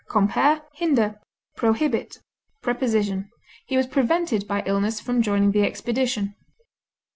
Compare HINDER; PROHIBIT. Preposition: He was prevented by illness from joining the expedition.